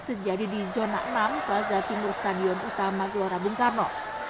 terjadi di zona enam plaza timur stadion utama gelora bung karno